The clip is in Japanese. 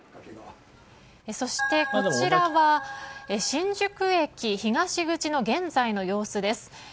そして、こちらが新宿駅東口の現在の様子です。